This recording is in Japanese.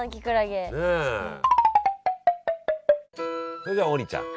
それでは王林ちゃん